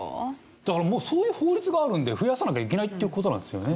だからもうそういう法律があるんで増やさなきゃいけないっていう事なんですよね。